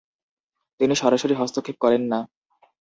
তিনি সরাসরি হস্তক্ষেপ করেন না।